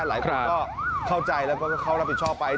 หลายคนก็เข้าใจแล้วก็เขารับผิดชอบไป